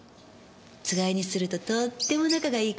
つがいにするととっても仲がいいから。